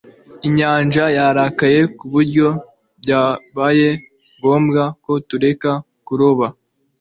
Inyanja yarakaye ku buryo byabaye ngombwa ko tureka kuroba